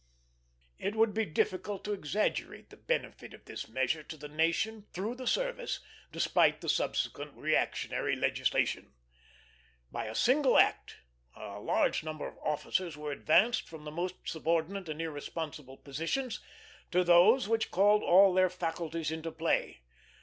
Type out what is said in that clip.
It would be difficult to exaggerate the benefit of this measure to the nation, through the service, despite the subsequent reactionary legislation. By a single act a large number of officers were advanced from the most subordinate and irresponsible positions to those which called all their faculties into play.